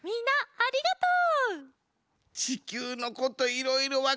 ありがとう。